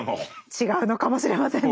違うのかもしれませんね。